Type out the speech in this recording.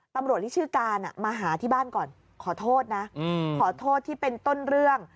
ตำรวจที่ชื่อการมาหาที่บ้านก่อนขอโทษนะขอโทษที่เป็นต้นเรื่อง